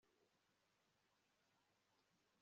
kandi bugomba kwamamazwa mu ijwi rirenga